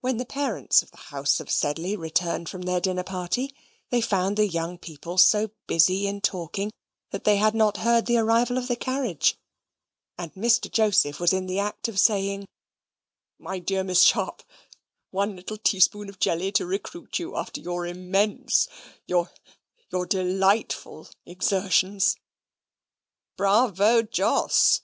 When the parents of the house of Sedley returned from their dinner party, they found the young people so busy in talking, that they had not heard the arrival of the carriage, and Mr. Joseph was in the act of saying, "My dear Miss Sharp, one little teaspoonful of jelly to recruit you after your immense your your delightful exertions." "Bravo, Jos!"